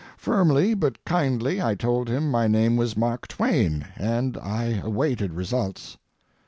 Firmly but kindly I told him my name was Mark Twain, and I awaited results.